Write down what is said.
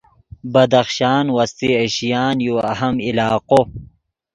بدخشان وسطی ایشیان یو اہم علاقو